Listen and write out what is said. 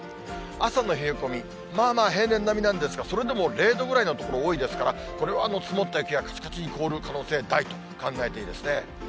朝の冷え込み、まあまあ平年並みなんですが、それでも０度ぐらいの所多いですから、これは積もった雪がかちかちに凍る可能性大と考えていいですね。